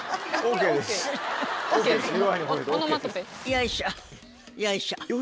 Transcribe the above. よいしょよいしょ。